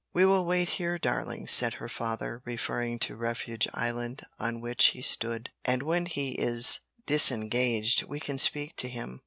"We will wait here, darling," said her father, referring to refuge island on which he stood, "and when he is disengaged we can speak to him."